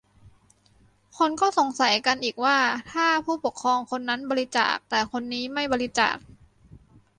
คนก็สงสัยกันอีกว่า ถ้าผู้ปกครองคนนั้นบริจาค แต่คนนี้ไม่บริจาค